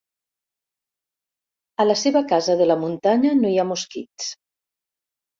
A la seva casa de la muntanya no hi ha mosquits.